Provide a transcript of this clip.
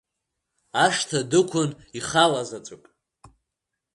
Ашҭа дықәын ихалазаҵәык.